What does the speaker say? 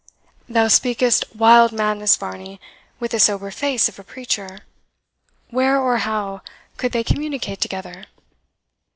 "Thou speakest wild madness, Varney, with the sober face of a preacher. Where, or how, could they communicate together?"